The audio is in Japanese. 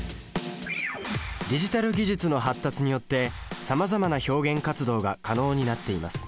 ディジタル技術の発達によってさまざまな表現活動が可能になっています。